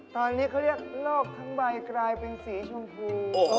ตอนนี้เขาเรียกโลกทั้งใบกลายเป็นสีชมพู